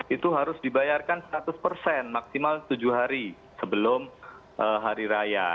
itu harus dibayarkan seratus persen maksimal tujuh hari sebelum hari raya